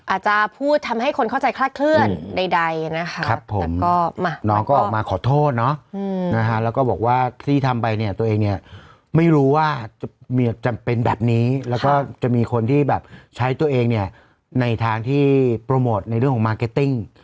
อาจจะพูดทำให้คนเข้าใจคลาดเคลื่อนใดนะคะครับผมก็น้องก็ออกมาขอโทษเนาะนะคะแล้วก็บอกว่าที่ทำไปเนี่ยตัวเองเนี่ยไม่รู้ว่าจำเป็นแบบนี้แล้วก็จะมีคนที่แบบใช้ตัวเองเนี่ยในทางที่โปรโมทในเรื่องของมาร์เก็ตติ้ง